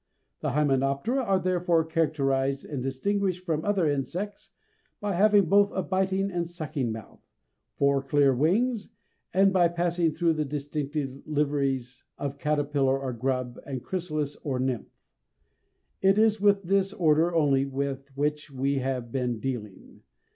The Hymenoptera are therefore characterized and distinguished from other insects by having both a biting and sucking mouth, four clear wings, and by passing through the distinctive liveries of caterpillar or grub, and chrysalis or nymph. It is with this order only with which we have been dealing.